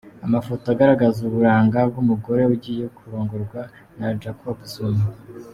amafoto agaragaza uburanga bw’ umugore ugiye kurongorwa na Jacob Zuma .